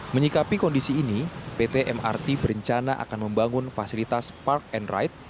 menyikapi kondisi ini pt mrt berencana akan membangun fasilitas park and ride